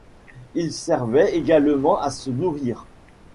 Il servaient également à se nourrir.